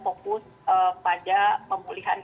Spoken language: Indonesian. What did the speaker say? fokus pada pemulihan